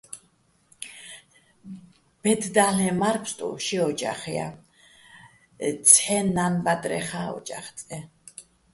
ბედ და́ლ'ენო̆ მარ-ფსტუ ში ო́ჯახ ჲა, ცჰ̦აჲნი̆ ნან-ბადრეხა́ ო́ჯახ წე.